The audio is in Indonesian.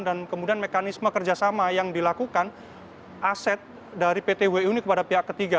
dan kemudian mekanisme kerjasama yang dilakukan aset dari ptwu ini kepada pihak ketiga